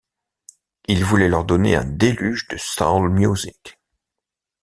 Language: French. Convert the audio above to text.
Il voulait leur donner un déluge de soul music.